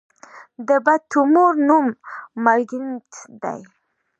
د بد تومور نوم مالېګننټ دی.